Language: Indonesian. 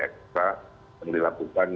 ekstra yang dilakukan